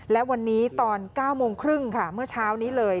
และวันนี้ตอน๙โมงครึ่งค่ะเมื่อเช้านี้เลย